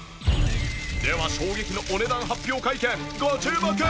では衝撃のお値段発表会見ご注目！